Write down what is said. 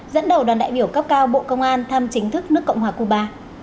dẫn đầu đoàn đại biểu cấp cao bộ công an thăm chính thức nước cộng hòa cuba